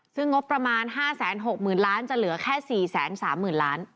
ซึ่งงบประมาณ๕๖๐๐๐ล้านจะเหลือแค่๔๓๐๐๐ล้าน